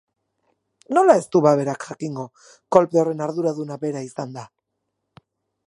Nola ez du ba berak jakingo, kolpe horren arduraduna bera izanda?